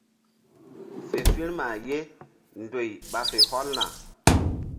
Fe firma ye ndoy ɓa fe hɔlna.